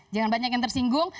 jangan banyak yang tersinggung